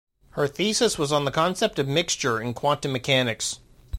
Her thesis was on the concept of mixture in quantum mechanics.